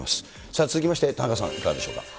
さあ、続きまして、田中さん、いかがでしょうか。